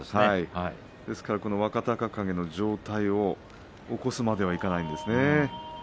ですから若隆景の上体を起こすまではいかないんですね。